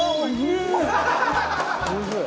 おいしい。